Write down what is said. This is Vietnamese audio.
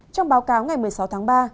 trong báo cáo ngày một mươi sáu tháng ba